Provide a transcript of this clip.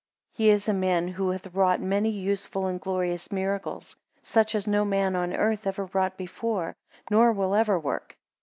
4 He is a man who hath wrought many useful and glorious miracles, such as no man on earth ever wrought before, nor will ever work.